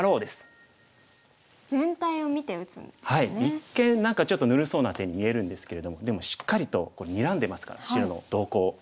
一見何かちょっとぬるそうな手に見えるんですけれどもでもしっかりとにらんでますから白の動向を。